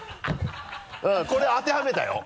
これ当てはめたよ。